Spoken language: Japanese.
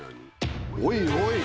おいおい！